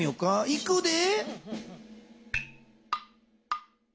いくで。